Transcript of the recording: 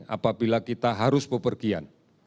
apabila kita harus pepergian